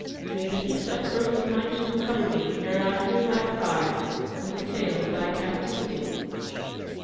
May the heaped up earth of my tomb cover me ere I hear thy cries and the tale of thy captivity."